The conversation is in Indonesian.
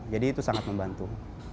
jadi itu sangat membantu